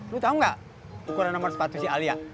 lo tahu gak ukuran nomor sepatu si alia